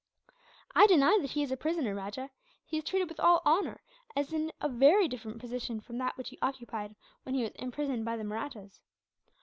"I deny that he is a prisoner, Rajah. He is treated with all honour, and is in a very different position from that which he occupied when he was imprisoned by the Mahrattas."